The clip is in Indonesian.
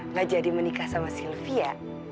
nggak jadi menikah sama sylvia